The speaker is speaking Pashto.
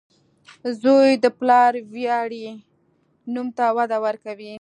• زوی د پلار ویاړلی نوم ته وده ورکوي.